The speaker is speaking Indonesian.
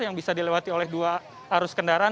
yang bisa dilewati oleh dua arus kendaraan